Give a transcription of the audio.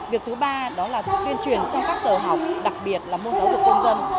việc thứ ba đó là tuyên truyền trong các giờ học đặc biệt là môn giáo dục công dân